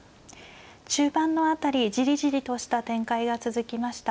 中盤の辺りジリジリとした展開が続きました。